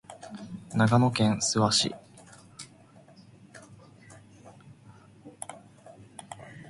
長野県諏訪市